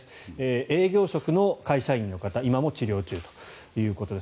営業職の会社員の方今も治療中ということです。